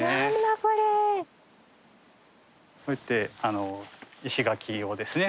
こうやって石垣をですね